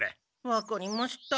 わかりました。